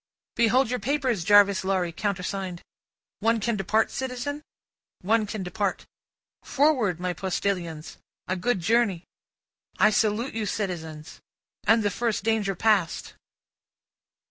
"Behold your papers, Jarvis Lorry, countersigned." "One can depart, citizen?" "One can depart. Forward, my postilions! A good journey!" "I salute you, citizens. And the first danger passed!"